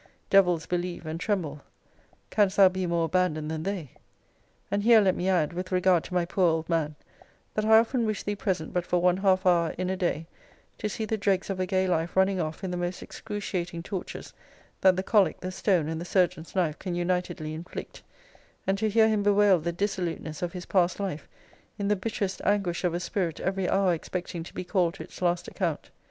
Devils believe and tremble. Canst thou be more abandoned than they? And here let me add, with regard to my poor old man, that I often wish thee present but for one half hour in a day, to see the dregs of a gay life running off in the most excruciating tortures that the cholic, the stone, and the surgeon's knife can unitedly inflict, and to hear him bewail the dissoluteness of his past life, in the bitterest anguish of a spirit every hour expecting to be called to its last account.